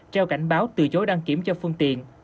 treo cảnh báo từ chối đăng kiểm cho phương tiện